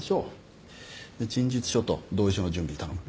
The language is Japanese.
陳述書と同意書の準備頼む。